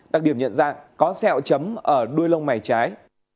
đặc điểm nhận dạng có sẹo chấm ở đuôi lông mày trái